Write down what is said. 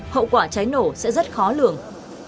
hậu quả cháy nổ sẽ rất khó lường